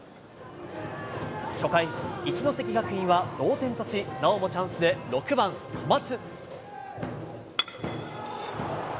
初回、一関学院は同点とし、なおもチャンスで６番小松。